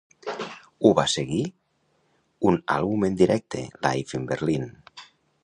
Ho va seguir un àlbum en directe: "Live in Berlin".